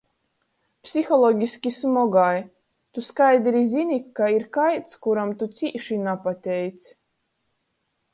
Psihologiski smogai – tu skaidri zyni, ka ir kaids, kuram tu cīši napateic.